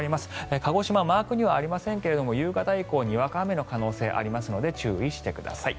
鹿児島、マークにはありませんが夕方以降にわか雨の可能性がありますので注意してください。